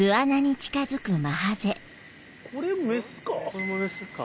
これもメスか。